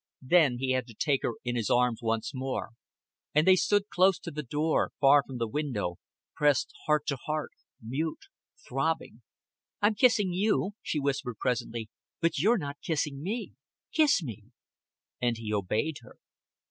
Then he had to take her in his arms once more; and they stood close to the door, far from the window, pressed heart to heart, mute, throbbing. "I'm kissing you," she whispered presently, "but you're not kissing me. Kiss me." And he obeyed her.